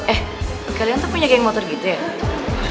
eh kalian tuh punya geng motor gitu ya